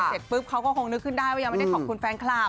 เสร็จปุ๊บเขาก็คงนึกขึ้นได้ว่ายังไม่ได้ขอบคุณแฟนคลับ